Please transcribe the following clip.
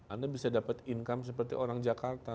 anda bisa dapat income seperti orang jakarta